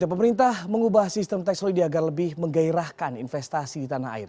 pemerintah mengubah sistem tax holiday agar lebih menggairahkan investasi di tanah air